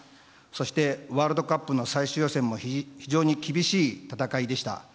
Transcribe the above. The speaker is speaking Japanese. そして、ワールドカップの最終予選も非常に厳しい戦いでした。